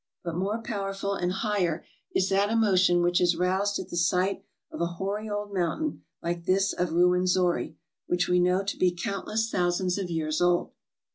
But more powerful and higher is that emotion which is roused at the sight of a hoary old mountain like this of Ruwenzori, which we know to be countless thousands of years old.